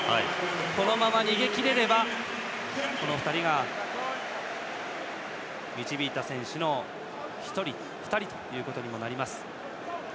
このまま逃げ切れればこの２人が導いた選手の１人、２人となります。